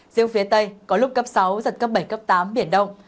riêng phía tây có lúc cấp sáu giật cấp bảy cấp tám biển đông